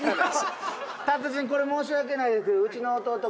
これ申し訳ないですけどうちの弟